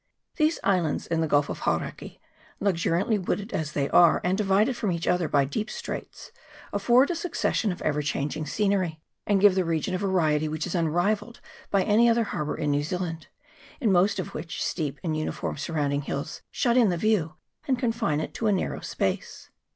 These islands in the Gulf of Hauraki, luxuriantly wooded as they are, and divided from each other by deep straits, afford a succession of ever changing scenery, and give the region a variety which is unrivalled by any other harbour in New Zealand, in most of which steep and uniform surrounding hills shut in the view, and confine it to a narrow space.